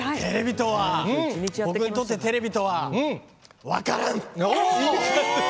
僕にとってテレビとは分からん！